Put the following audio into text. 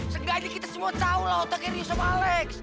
seenggaknya ini kita semua tau lah otaknya dia sama alex